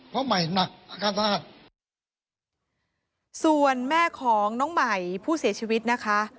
เพราะใหม่หนักอาการสาหัสส่วนแม่ของน้องใหม่ผู้เสียชีวิตนะคะ